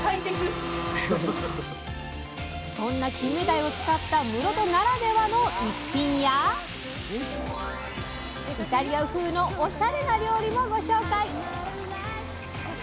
そんなキンメダイを使った室戸ならではの一品やイタリア風のオシャレな料理もご紹介！